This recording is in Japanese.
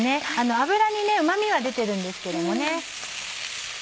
油にうま味は出てるんですけどもね。